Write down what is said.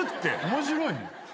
面白いね。